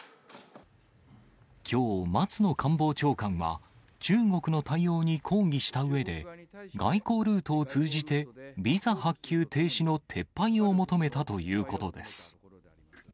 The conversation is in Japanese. きょう、松野官房長官は、中国の対応に抗議したうえで、外交ルートを通じて、ビザ発給停止の撤廃を求めたということです。